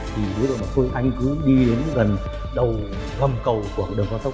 thì đối tượng nói là anh cứ đi đến gần đầu gầm cầu của đường cao tốc